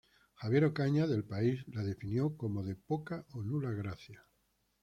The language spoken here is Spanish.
Javier Ocaña, de "El País", la definió como "de poca o nula gracia".